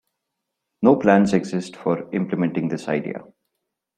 No plans exist for implementing this idea.